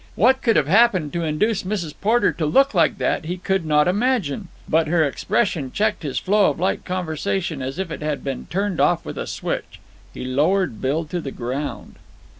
What could have happened to induce Mrs. Porter to look like that he could not imagine; but her expression checked his flow of light conversation as if it had been turned off with a switch. He lowered Bill to the ground.